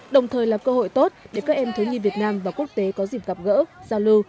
đồng thời là cơ hội tốt để các em thiếu nhi việt nam và quốc tế có dịp gặp gỡ giao lưu